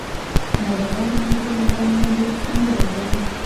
مولنا محمودالحسن هم ډېر سپین ږیری دی.